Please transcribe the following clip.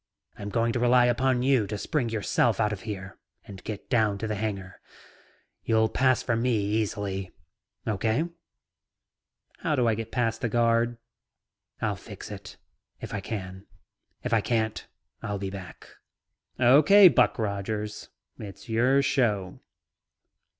I'm going to rely upon you to spring yourself out of here and get down to the hangar. You'll pass for me easily. Okay?" "How do I get past the guard?" "I'll fix it. If I can't, I'll be back." "Okay, Buck Rogers. It's your show."